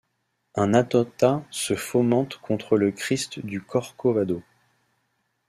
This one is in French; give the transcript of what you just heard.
Un attentat se fomente contre le Christ du Corcovado...